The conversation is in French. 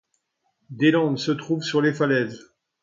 Des landes se trouvent sur les falaises.